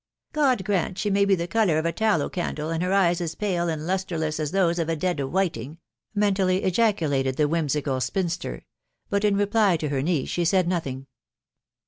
" God grant she may be the colour of a tallow candle, and her eyes as pale and lustreless as those of a dead whiting!" mentally ejaculated the whimsical spinster; but in reply to her niece she said nothing.